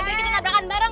biar kita kabrakan bareng